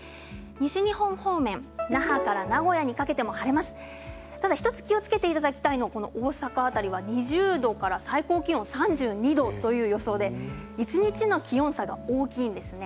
西日本方面、那覇から名古屋にかけても晴れますが大阪辺りは２０度から最高気温３２度という予想で一日の気温差が大きいです。